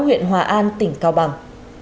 huyện hòa an tỉnh cao bằng